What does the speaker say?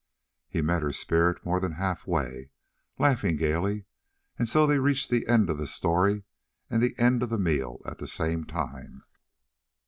He met her spirit more than half way, laughing gaily; and so they reached the end of the story and the end of the meal at the same time.